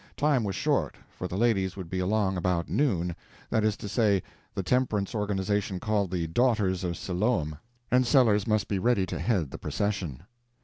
Time was short, for the ladies would be along about noon—that is to say, the temperance organization called the Daughters of Siloam—and Sellers must be ready to head the procession.